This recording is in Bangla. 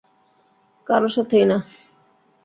কারো সাথেই না?